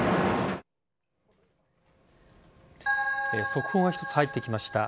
速報が一つ入ってきました。